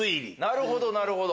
なるほどなるほど。